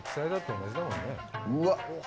うわっ。